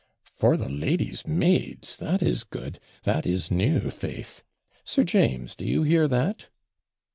'For the lady's maids! that is good! that is new, faith! Sir James, do you hear that?'